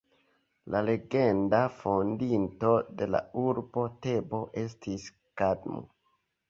La legenda fondinto de la urbo Tebo estis Kadmo.